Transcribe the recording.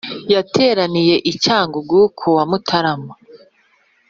Yateraniye i cyangugu kuwa mutarama